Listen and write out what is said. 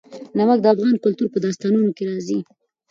نمک د افغان کلتور په داستانونو کې راځي.